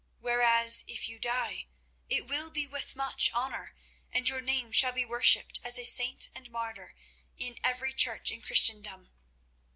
Whereas, if you die, it will be with much honour, and your name shall be worshipped as a saint and martyr in every church in Christendom.